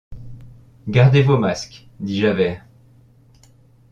Gardez vos masques, dit Javert.